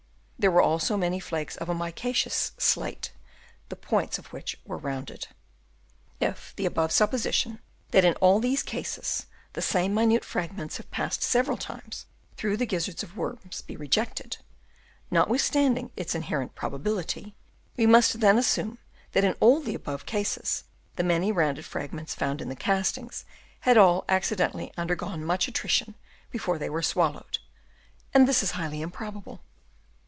There were also many minute flakes of a micaceous slate, the points of which were rounded. If the above supposition, that in all these cases the same minute fragments have passed several times through the gizzards of worms, be rejected, notwithstanding its inherent probability, we must then assume that in all the above cases the many rounded fragments found in the castings had all accidentally undergone much attrition before they were swallowed ; and this is highly improbable.